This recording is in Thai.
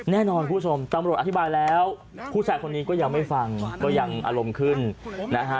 แน่นอนคุณผู้ชมตำรวจอธิบายแล้วผู้ชายคนนี้ก็ยังไม่ฟังก็ยังอารมณ์ขึ้นนะฮะ